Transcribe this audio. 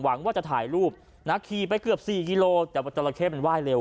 หวังว่าจะถ่ายรูปนะขี่ไปเกือบสี่กิโลแต่ว่าจราเข้มันไห้เร็ว